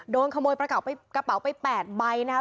โดนขโมยกระเป๋าไป๘ใบนะครับ